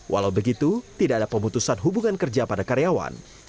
walau begitu tidak ada pemutusan hubungan kerja pada karyawan